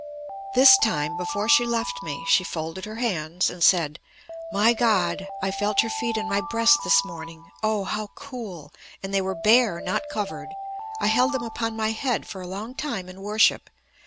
This time, before she left me, she folded her hands, and said: "My God! I felt your feet in my breast this morning. Oh, how cool! And they were bare, not covered. I held them upon my head for a long time in worship.